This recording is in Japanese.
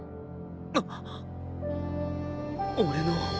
あっ俺の。